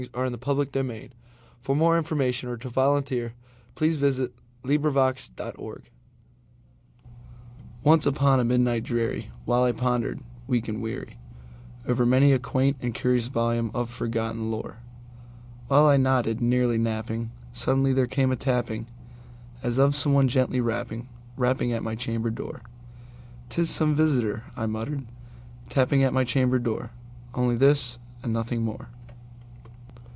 Yale Book of American Verse. 1912. Edgar Allan Poe 1809–1849 Edgar Allan Poe 84 The Raven ONCE upon a midnight dreary, while I pondered, weak and weary, Over many a quaint and curious volume of forgotten lore,—While I nodded, nearly napping, suddenly there came a tapping, As of some one gently rapping, rapping at my chamber door."'T is some visitor," I muttered, "tapping at my chamber door; Only this and nothing more."